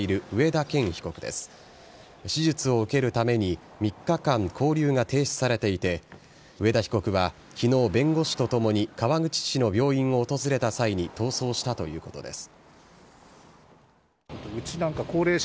手術を受けるために３日間勾留を停止されていて上田被告は昨日、弁護士とともに川口市の病院を訪れた際に逃走したということです。